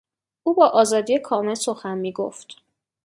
او با آزادی کامل سخن میگفت.